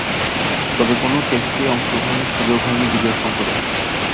তবে, কোন টেস্টেই অংশগ্রহণের সুযোগ হয়নি বিজয় শঙ্করের।